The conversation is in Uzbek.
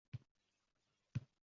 Men ingliz tilini o’rganayapman.